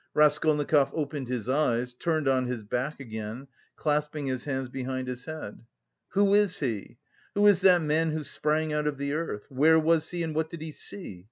Raskolnikov opened his eyes, turned on his back again, clasping his hands behind his head. "Who is he? Who is that man who sprang out of the earth? Where was he, what did he see?